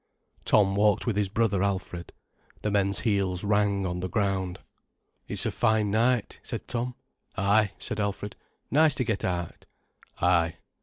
Tom walked with his brother, Alfred. The men's heels rang on the ground. "It's a fine night," said Tom. "Ay," said Alfred. "Nice to get out." "Ay."